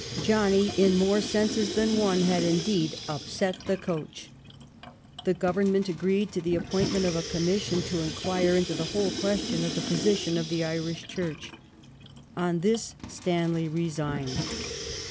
" Johnny," in more senses than one, had indeed " upset the coach." The Government agi eed to the appointment of a Commission to inquire into the whole question of the posi tion of the Irish Church. On this Stanley resigned.